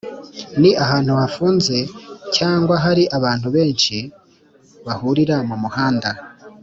Ni ahantu hafunze cyangwa hari abantu benshi bahurira mumuhanda